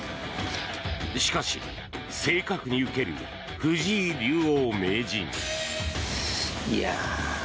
しかし、正確に受ける藤井竜王・名人。